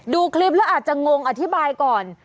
ดูคลิปแล้วอาจจะงงอธิบายก่อน